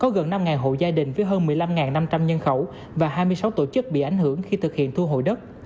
có gần năm hộ gia đình với hơn một mươi năm năm trăm linh nhân khẩu và hai mươi sáu tổ chức bị ảnh hưởng khi thực hiện thu hồi đất